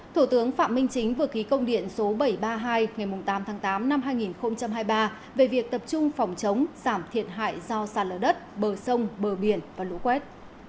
thủ tướng phạm minh chính vừa ký công điện số bảy trăm ba mươi hai ngày tám tháng tám năm hai nghìn hai mươi ba về việc tập trung phòng chống giảm thiệt hại do sạt lở đất bờ sông bờ biển và lũ quét